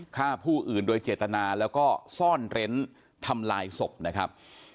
ฆ่าผู้อื่นโดยเจตนาแล้วก็ซ่อนเร้นทำลายศพนะครับ